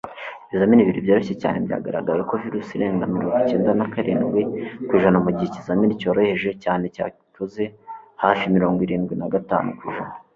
Ibizamini bibiri byoroshye cyane byagaragaye ko virusi irenga mirongo icyenda na karindwi kw’ijana mugihe ikizamini cyoroheje cyane cyabikoze hafi mirongo irindwi nagatanu kw’ijana